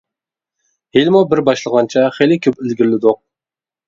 ھېلىمۇ بىر باشلىغانچە خېلى كۆپ ئىلگىرىلىدۇق.